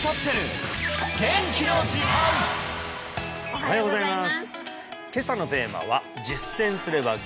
おはようございます